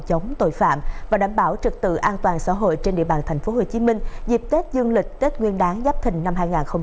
chống tội phạm và đảm bảo trực tự an toàn xã hội trên địa bàn tp hcm dịp tết dương lịch tết nguyên đáng giáp thình năm hai nghìn hai mươi bốn